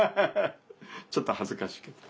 ちょっと恥ずかしいけど。